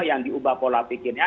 yang diubah pola pikirnya